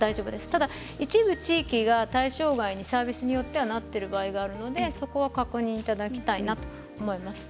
ただ一部地域対象外にサービスによってはなっているところがあるのでそこは確認いただきたいと思います。